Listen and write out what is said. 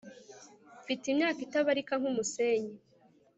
mfite imyaka itabarika nk'umusenyi